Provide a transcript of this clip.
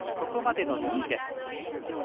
ここまでの２位です。